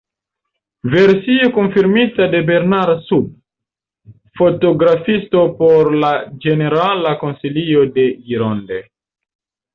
Versio konfirmita de Bernard Sube, fotografisto por la ĝenerala konsilio de Gironde.